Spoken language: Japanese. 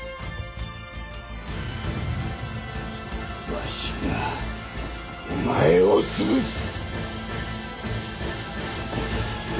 わしがお前をつぶす！